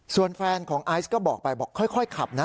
ส่วนแฟนของไอซ์ก็บอกไปบอกค่อยขับนะ